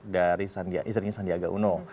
dari istrinya sandiaga uno